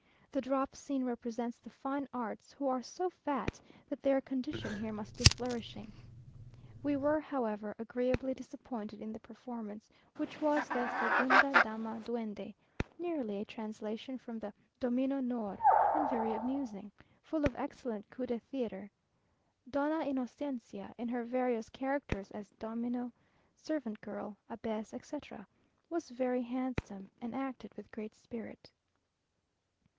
The drop scene represents the fine arts, who are so fat, that their condition here must be flourishing. We were, however, agreeably disappointed in the performance, which was the "Segunda Dama Duende," nearly a translation from the "Domino Noir," and very amusing; full of excellent coups de theatre. Donna Inocencia in her various characters, as domino, servant girl, abbess, etc., was very handsome, and acted with great spirit.